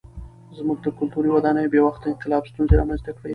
زموږ د کلتوري ودانیو بې وخته انقلاب ستونزې رامنځته کړې.